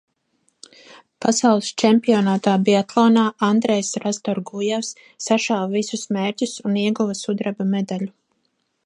Pasaules čempionātā biatlonā Andrejs Rastorgujevs sašāva visus mērķus un ieguva sudraba medaļu.